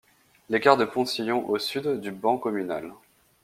L’écart de Poncillon au sud du ban communal.